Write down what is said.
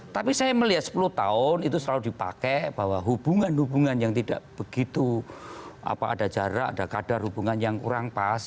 tapi saya melihat sepuluh tahun itu selalu dipakai bahwa hubungan hubungan yang tidak begitu ada jarak ada kadar hubungan yang kurang pas